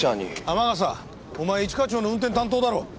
天笠お前一課長の運転担当だろう。